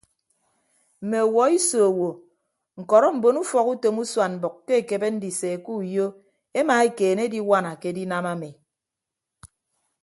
Mme ọwuọ iso owo ñkọrọ mbon ufọkutom usuan mbʌk ke ekebe ndise ke uyo emaekeene ediwana ke edinam ami.